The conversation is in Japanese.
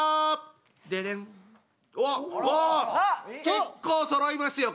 結構そろいますよこれ。